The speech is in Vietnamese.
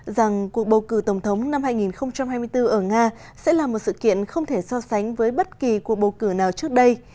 rằng cuộc bầu cử tổng thống năm hai nghìn hai mươi bốn ở nga sẽ là một sự kiện không thể so sánh với bất kỳ cuộc bầu cử nào trước đây